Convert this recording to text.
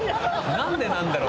なんでなんだろう？